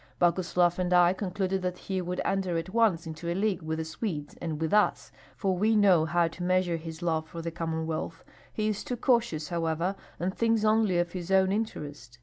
"Boguslav and I concluded that he would enter at once into a league with the Swedes and with us, for we know how to measure his love for the Commonwealth. He is too cautious, however, and thinks only of his own interest.